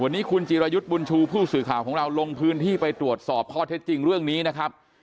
วันนี้คุณจิรายุทธ์บุญชูผู้สื่อข่าวของเราลงพื้นที่ไปตรวจสอบข้อเท็จจริงเรื่องนี้นะครับ